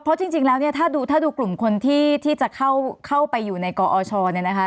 เพราะจริงแล้วเนี่ยถ้าดูกลุ่มคนที่จะเข้าไปอยู่ในกอชเนี่ยนะคะ